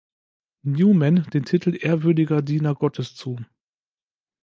Newman den Titel Ehrwürdiger Diener Gottes zu.